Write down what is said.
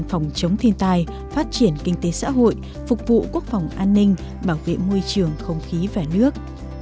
phòng chống thiên tai phát triển kinh tế xã hội phục vụ quốc phòng an ninh bảo vệ môi trường không khí và nước